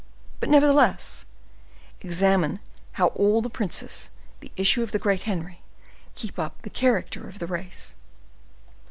But, nevertheless, examine how all the princes, the issue of the great Henry, keep up the character of the race."